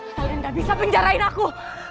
kalian gak bisa penjarain aku